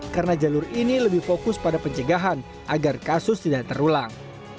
karena jalur ini lebih fokus pada pencegahan agar kasus tidak terulang